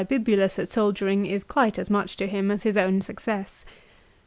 Bibulus at soldiering is quite as much to him as his own success.